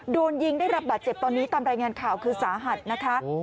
โดนยิงได้รับบาดเจ็บตอนนี้ตามรายงานข่าวคือสาหัสนะคะ